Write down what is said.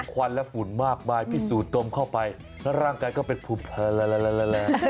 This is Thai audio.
ควันและฝุ่นมากมายพิสูจน์ตรงเข้าไปแล้วร่างกายก็เป็นภูมิ